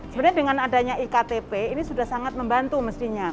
sebenarnya dengan adanya iktp ini sudah sangat membantu mestinya